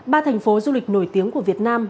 ba thành phố du lịch nổi tiếng của việt nam